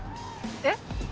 えっ？